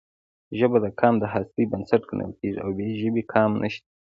ژبه د قام د هستۍ بنسټ ګڼل کېږي او بې ژبې قام نشته.